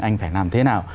anh phải làm thế nào